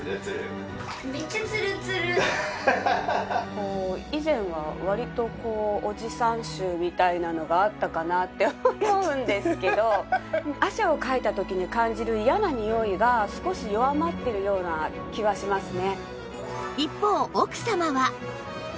こう以前は割とおじさん臭みたいなのがあったかなって思うんですけど汗をかいた時に感じる嫌なニオイが少し弱まってるような気はしますね。